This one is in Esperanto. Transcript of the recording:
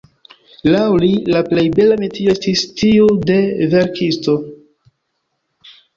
Laŭ li, «la plej bela metio estis tiu de verkisto».